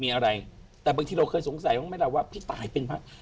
มีอะไรแต่บางทีเราเคยสงสัยว่าพี่ตายเป็นพรรค